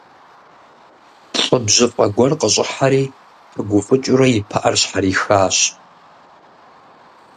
ЛӀы бжьыфӀэ гуэр къыщӀыхьэри, пыгуфӀыкӀыурэ и пыӀэр щхьэрихащ.